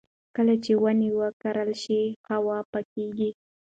کله چې ونې وکرل شي، هوا پاکېږي.